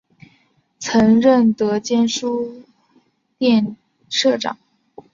曾任德间书店社长。